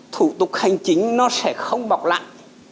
thủ tục hành chính nó sẽ không bọc lại